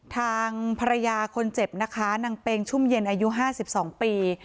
ทางภรรยาคนเจ็บนะคะนางเปงชุ่มเย็นอายุ๕๒ปี